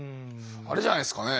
あれじゃないですかね？